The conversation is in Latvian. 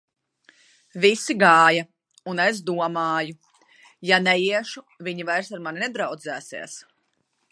Visi gāja, un es domāju: ja neiešu, viņi vairs ar mani nedraudzēsies.